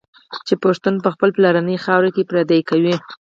چي پښتون په خپلي پلرنۍ خاوره کي پردی کوي